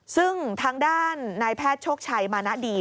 ซึ่งทางด้านนายแพทย์โชคชัยมานะดี